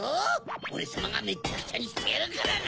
オレさまがめっちゃくちゃにしてやるからな！